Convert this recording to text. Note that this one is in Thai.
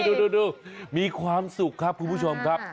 ดูมีความสุขครับคุณผู้ชมครับ